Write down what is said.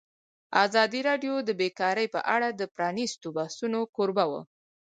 ازادي راډیو د بیکاري په اړه د پرانیستو بحثونو کوربه وه.